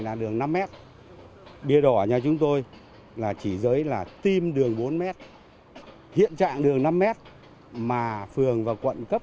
là đường năm m bia đỏ nhà chúng tôi là chỉ giới là tim đường bốn m hiện trạng đường năm m mà phường và quận cấp